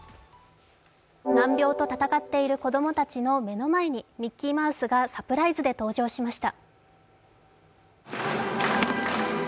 難病と闘っている子供たちの目の前にミッキーマウスがサプライズで登場しました。